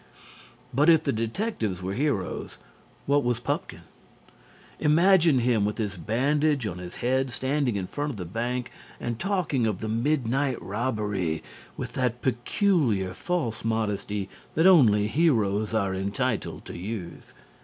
But if the detectives were heroes, what was Pupkin? Imagine him with his bandage on his head standing in front of the bank and talking of the midnight robbery with that peculiar false modesty that only heroes are entitled to use.